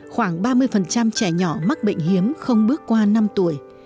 khoảng ba mươi trẻ nhỏ mắc bệnh hiếm không bước qua năm tuổi